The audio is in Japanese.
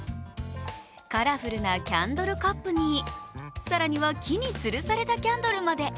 カラフルなキャンドルカップに更には木につるされたキャンドルまで。